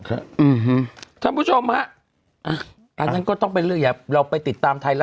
ค่ะอืมท่านผู้ชมครับอันนั้นก็ต้องไปเรียบเราไปติดตามไทย